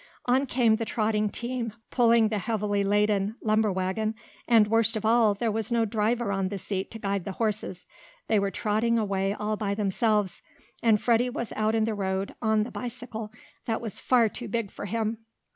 On came the trotting team, pulling the heavily laden lumber wagon, and, worst of all, there was no driver on the seat to guide the horses. They were trotting away all by themselves, and Freddie was out in the road, on the bicycle that was far too big for him.